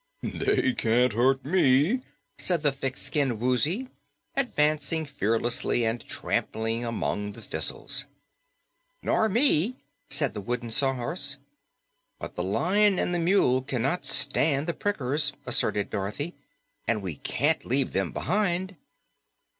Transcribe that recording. "They can't hurt ME," said the thick skinned Woozy, advancing fearlessly and trampling among the thistles. "Nor me," said the Wooden Sawhorse. "But the Lion and the Mule cannot stand the prickers," asserted Dorothy, "and we can't leave them behind."